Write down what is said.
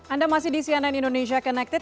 anda masih di cnn indonesia connected